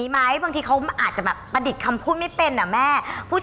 บางทีเขามาอาจจะมาประดิษฐ์คำพูดไม่เป็นอะแม่